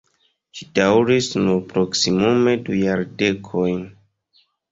Ĝi daŭris nur proksimume du jardekojn.